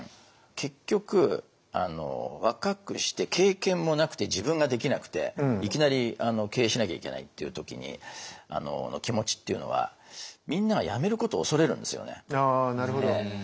結局若くして経験もなくて自分ができなくていきなり経営しなきゃいけないっていう時の気持ちっていうのはって私は想像してます。